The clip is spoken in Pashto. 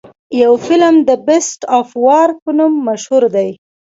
يو فلم The Beast of War په نوم مشهور دے.